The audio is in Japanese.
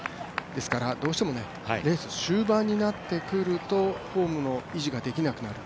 どうしてもレース終盤になってくるとフォームの維持ができなくなる。